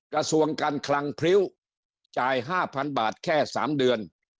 กระทรวงการคลังพริ้วจ่าย๕๐๐๐บาทแค่๓เดือน